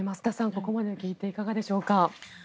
ここまで聞いていかがでしょう？